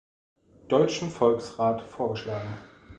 Deutschen Volksrat vorgeschlagen.